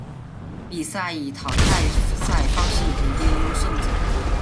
比赛以淘汰赛方式决定优胜者。